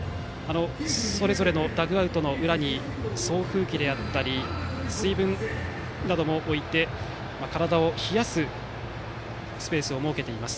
それぞれのダグアウトの裏に送風機であったり水分なども置いて体を冷やすスペースを設けています。